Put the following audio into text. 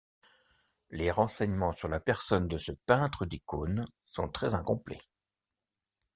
Les renseignements sur la personne de ce peintre d'icônes sont très incomplets.